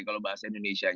kalau bahasa indonesia